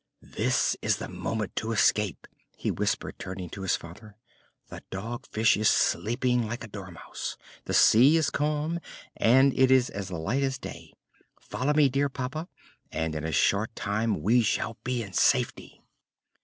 "This is the moment to escape," he whispered, turning to his father; "the Dog Fish is sleeping like a dormouse, the sea is calm, and it is as light as day. Follow me, dear papa, and in a short time we shall be in safety."